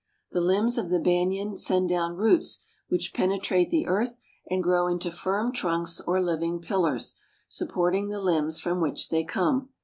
The limbs of the banyan send down roots which penetrate the earth and grow into firm trunks or living pillars, supporting the limbs from which they come.